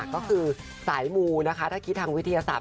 ก็คือสายมูนะคะถ้าคิดทางวิทยาศาสต